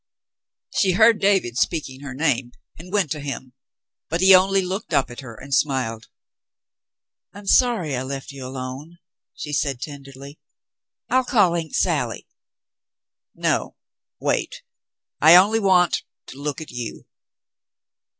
She heard David speaking her name and went to him, but he only looked up at her and smiled. "I'm sorry I left you alone," she said tenderly; "I'll call Aunt Sally." ^ "No — wait — I only want — to look at you."